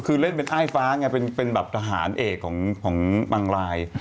คือเล่นเป็นอ้ายฟ้าไงเป็นแบบทหารเอกของบางราย